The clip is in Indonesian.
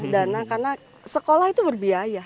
dana karena sekolah itu berbiaya